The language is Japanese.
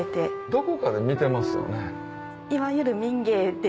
どこかで見てますよね。